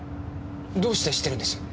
どうして知ってるんです？